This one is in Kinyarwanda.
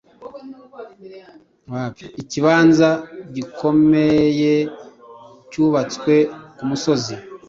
Ikibanza gikomeyecyubatswe ku musozi